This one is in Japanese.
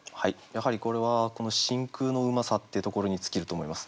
やはりこれはこの「真空」のうまさっていうところに尽きると思います。